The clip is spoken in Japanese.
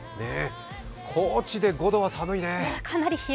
高知で５度は寒いね。